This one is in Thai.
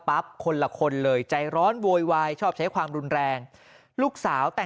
คนละคนเลยใจร้อนโวยวายชอบใช้ความรุนแรงลูกสาวแต่ง